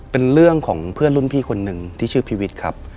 เป็นเรื่องของเพื่อนรุ่นพี่คนหนึ่งที่ชื่อพี่วิทย์ครับ